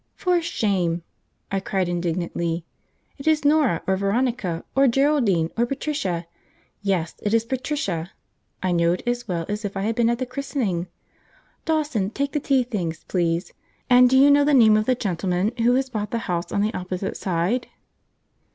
"For shame!" I cried indignantly. "It is Norah, or Veronica, or Geraldine, or Patricia; yes, it is Patricia, I know it as well as if I had been at the christening. Dawson, take the tea things, please; and do you know the name of the gentleman who has bought the house on the opposite side?"